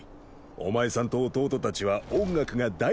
お前さんと弟たちは音楽が大好きなはずだ。